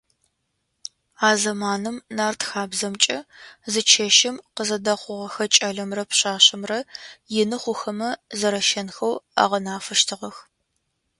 А зэманым нарт хабзэмкӏэ зы чэщым къызэдэхъугъэхэ кӏэлэмрэ пшъэшъэмрэ ины хъухэмэ зэрэщэнхэу агъэнафэщтыгъэх.